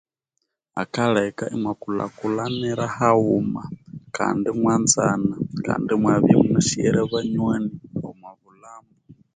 Akaleka imwakulhakuranira hawuma kandi imwanzana Kandi imune banyoni omubulhambu